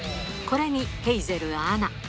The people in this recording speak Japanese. これに、ヘイゼルアナ。